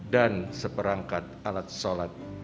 dan seperangkat alat sholat